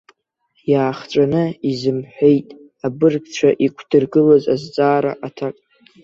Иаахҵәаны изымҳәеит абыргцәа иқәдыргылаз азҵаара аҭак.